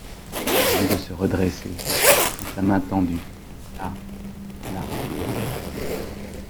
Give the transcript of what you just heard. Il venait de se redresser, et sa main tendue: « Là... là...